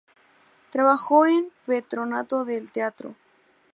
Trabajó en el Patronato del Teatro.